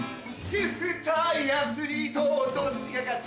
主婦対アスリートどっちが勝つ？